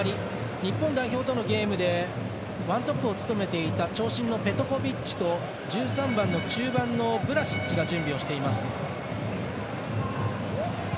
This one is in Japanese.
日本代表とのゲームでワントップで務めていた長身のペトコビッチと１３番の中盤のブラシッチが準備をしています。